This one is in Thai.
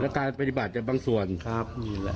และการปฏิบัติในบางส่วนครับ